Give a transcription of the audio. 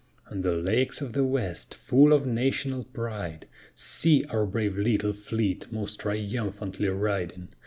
On the lakes of the west, full of national pride, See our brave little fleet most triumphantly riding!